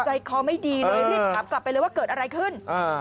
ใจคอไม่ดีเลยรีบถามกลับไปเลยว่าเกิดอะไรขึ้นอ่า